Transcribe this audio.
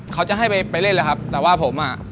เขาจะให้ไปเล่นเลยครับแต่ว่าผมอ่ะ